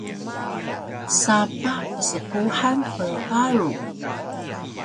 sapah pspuhan prparu